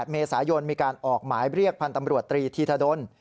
เมษายนมีการออกหมายเรียกพันธ์ตำรวจตรีธีธดล